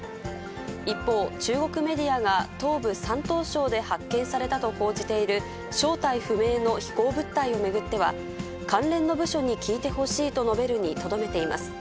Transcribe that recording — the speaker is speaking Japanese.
一方、中国メディアが東部山東省で発見されたと報じている正体不明の飛行物体を巡っては、関連の部署に聞いてほしいと述べるにとどめています。